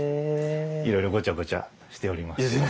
いろいろごちゃごちゃしております。